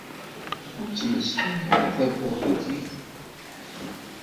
Ur ttmeslayeɣ ara taburtugit.